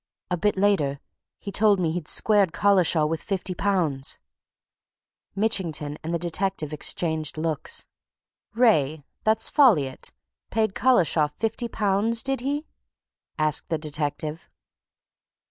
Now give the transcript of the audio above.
A bit later, he told me he'd squared Collishaw with fifty pounds " Mitchington and the detective exchanged looks. "Wraye that's Folliot paid Collishaw fifty pounds, did he?" asked the detective.